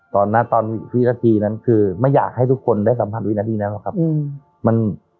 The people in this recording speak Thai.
ตอนนั้นตอนวินาทีนั้นคือไม่อยากให้ทุกคนได้สัมพันธ์วินาทีนั้นครับอืมมัน